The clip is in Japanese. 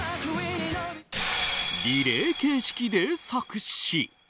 リレー形式で作詞。